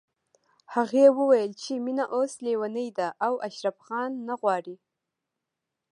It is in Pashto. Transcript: هغې ويل چې مينه اوس ليونۍ ده او اشرف خان نه غواړي